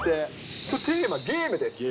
テーマ、ゲームです。